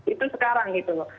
itu sekarang gitu loh